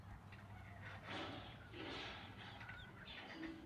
Chce se vrátit do elektrárny.